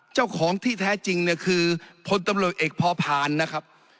เจ้าของที่แท้จริงเนี่ยคือพลตำรวจเอกพอพานนะครับ